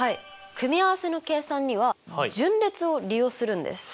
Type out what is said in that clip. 組合せの計算には順列を利用するんです。